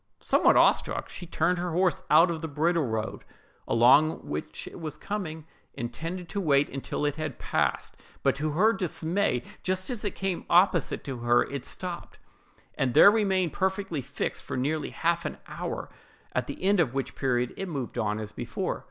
Somewhat awestruck, she turned her horse out of the bridle road, along which it was coming, intending to wait till it had passed; but, to her dismay, just as it came opposite to her, it stopped, and there remained perfectly fixed for nearly half an hour, at the end of which period it moved on as before.